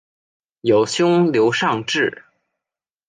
有兄刘尚质。